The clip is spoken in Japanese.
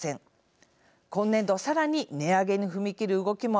今年度さらに値上げに踏み切る動きも相次いでいます。